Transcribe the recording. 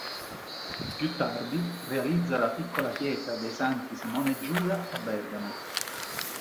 Più tardi realizza la piccola Chiesa dei Santi Simone e Giuda a Bergamo.